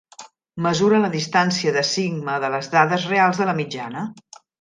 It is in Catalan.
Mesura la distància de sigma de les dades reals de la mitjana.